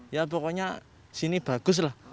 ya pokoknya sini bagus lah